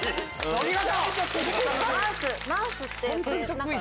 お見事！